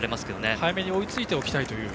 早めに追いついておきたいと。